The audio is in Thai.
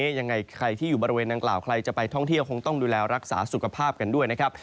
ยังไงใครที่อยู่บริเวณนางกล่าวใครจะไปท่องเที่ยวคงต้องดูแลรักษาสุขภาพกันด้วยนะครับ